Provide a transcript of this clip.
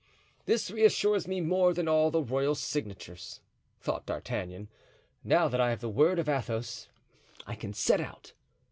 "This reassures me more than all the royal signatures," thought D'Artagnan. "Now that I have the word of Athos I can set out."